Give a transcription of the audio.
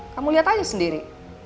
kamu lihat aja sendiri